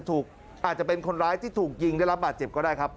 ตอนนี้ก็ยิ่งแล้ว